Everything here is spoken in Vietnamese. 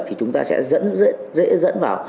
thì chúng ta sẽ dẫn dễ dẫn vào